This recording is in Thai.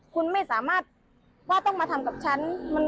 คุณไม่สามารถว่าต้องมาทำกับฉัน